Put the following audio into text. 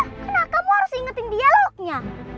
kenapa kamu harus ingetin dialognya